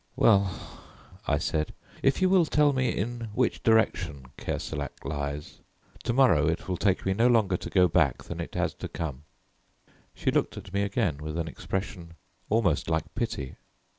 "Well," I said, "if you will tell me in which direction Kerselec lies, to morrow it will take me no longer to go back than it has to come." She looked at me again with an expression almost like pity.